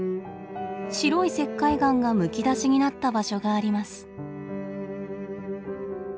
白い石灰岩がむき出しになった場所があります。